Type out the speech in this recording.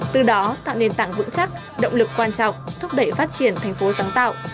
từ đó tạo nền tảng vững chắc động lực quan trọng thúc đẩy phát triển thành phố sáng tạo